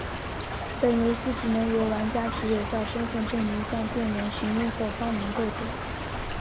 本游戏只能由玩家持有效身份证明向店员询问后方能购得。